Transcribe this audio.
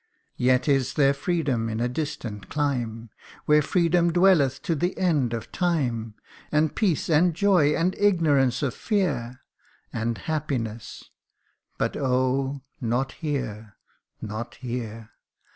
Yet is there freedom in a distant clime, Where freedom dwelleth to the end of time ; 39 40 THE UNDYING ONE. And peace, and joy, and ignorance of fear, And happiness but oh ! not here ! not here